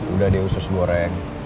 udah deh usus goreng